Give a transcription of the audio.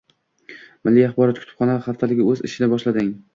Milliy axborot-kutubxona haftaligi o‘z ishini boshlading